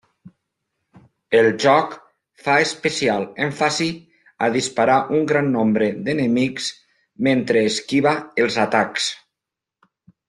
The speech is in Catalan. El joc fa especial èmfasi a disparar un gran nombre d’enemics mentre esquiva els atacs.